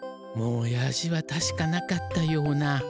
もやしはたしかなかったような。